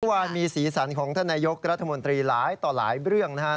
ทุกวันมีสีสันของท่านนายยกรัฐมนตรีหลายต่อหลายเรื่องนะ